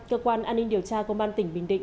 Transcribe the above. cơ quan an ninh điều tra công an tỉnh bình định